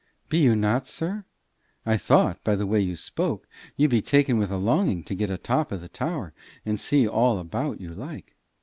"Be you not, sir? I thought, by the way you spoke, you be taken with a longing to get a top o' the tower, and see all about you like.